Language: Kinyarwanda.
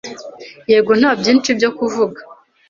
Yego, nta byinshi byo kuvuga.